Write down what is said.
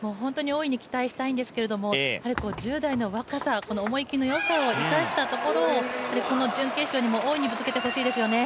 大いに期待したいんですけれど、１０代の若さこの思い切りのよさを生かしたところを、準決勝にも大いにぶつけて欲しいですよね